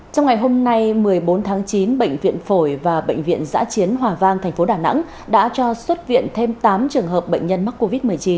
trong ngày hôm nay một mươi bốn tháng chín bệnh viện phổi và bệnh viện giã chiến hòa vang tp đà nẵng đã cho xuất viện thêm tám trường hợp bệnh nhân mắc covid một mươi chín